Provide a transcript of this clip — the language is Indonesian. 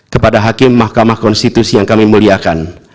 kepada hakim mahkamah konstitusi yang kami muliakan